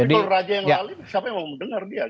tapi polraja yang lalu siapa yang mau mendengar dia